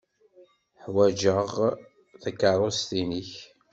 Ḥwajeɣ takeṛṛust-nnek.